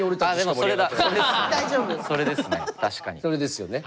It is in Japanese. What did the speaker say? それですよね。